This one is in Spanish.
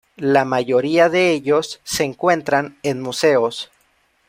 La mayoría de ellos se encuentran en museos.